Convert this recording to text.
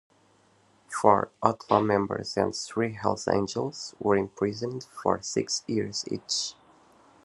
Four Outlaw members and three Hells Angels were imprisoned for six years each.